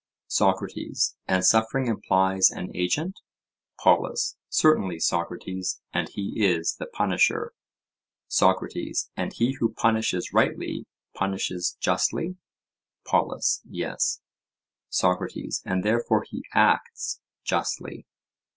SOCRATES: And suffering implies an agent? POLUS: Certainly, Socrates; and he is the punisher. SOCRATES: And he who punishes rightly, punishes justly? POLUS: Yes. SOCRATES: And therefore he acts justly?